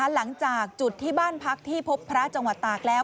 หลังจากจุดที่บ้านพักที่พบพระจังหวัดตากแล้ว